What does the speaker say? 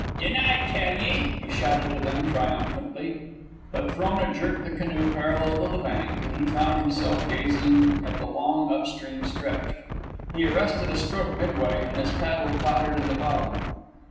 "Dinna I tell ye!" he shouted to them, triumphantly. But Frona jerked the canoe parallel with the bank, and he found himself gazing at the long up stream stretch. He arrested a stroke midway, and his paddle clattered in the bottom.